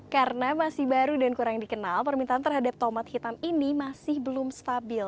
karena masih baru dan kurang dikenal permintaan terhadap tomat hitam ini masih belum stabil